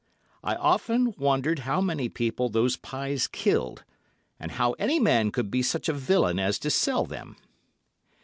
I often wondered how many people those pies killed, and how any man could be such a villain as to sell them.